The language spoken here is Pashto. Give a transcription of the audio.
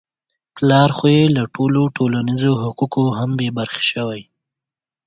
پلار خو يې له ټولو ټولنیزو حقوقو هم بې برخې شوی.